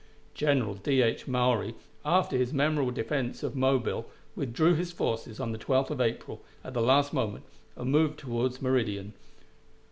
General D. H. Maury, after his memorable defense of Mobile, withdrew his forces on the 12th of April, at the last moment, and moved toward Meridian.